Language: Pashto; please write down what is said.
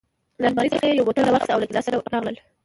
له المارۍ څخه یې یو بوتل راواخیست او له ګیلاس سره راغلل.